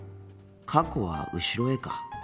過去は後ろへか。